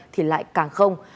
thì lại càng không